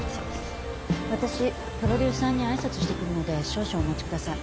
私プロデューサーに挨拶してくるので少々お待ち下さい。